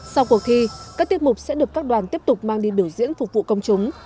sau cuộc thi các tiết mục sẽ được các đoàn tiếp tục mang đi biểu diễn phục vụ công chúng